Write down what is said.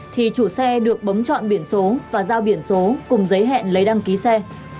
thì chủ xe được bấm chọn biển số và giao biển số cùng giấy hẹn lấy đăng ký xe